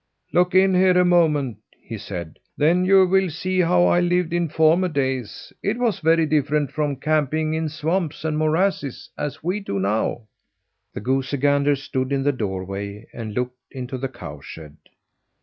"Look in here a moment," he said, "then you will see how I lived in former days. It was very different from camping in swamps and morasses, as we do now." The goosey gander stood in the doorway and looked into the cow shed.